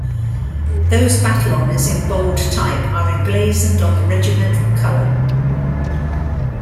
Those battle honours in bold type are emblazoned on the regimental colour.